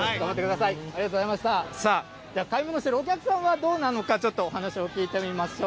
さあ、では買い物しているお客さんはどうなのか、ちょっとお話を聞いてみましょう。